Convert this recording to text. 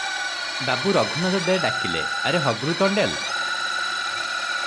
ବାବୁ ରଘୁନାଥ ଦେ ଡାକିଲେ - "ଆରେ ହଗ୍ରୁ ତଣ୍ଡେଲ!